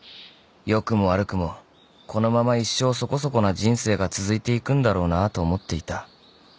［良くも悪くもこのまま一生そこそこな人生が続いていくんだろうなと思っていた］